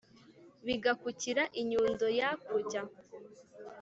bagakukira i nyundo ya kajya